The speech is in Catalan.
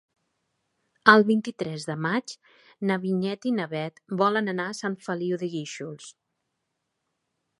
El vint-i-tres de maig na Vinyet i na Bet volen anar a Sant Feliu de Guíxols.